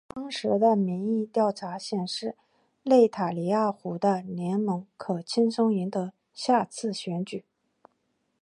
当时的民意调查显示内塔尼亚胡的联盟可轻松赢得下次选举。